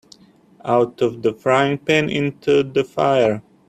Out of the frying pan into the fire.